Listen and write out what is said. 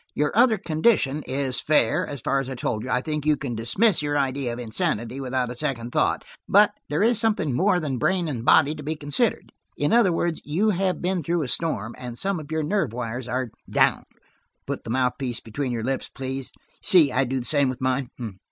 Your other condition is fair, as I told you; I think you can dismiss your idea of insanity without a second thought, but there is something more than brain and body to be considered; in other words, you have been through a storm, and some of your nervous wires are down. Put the mouthpiece between your lips, please; you see, I do the same with mine.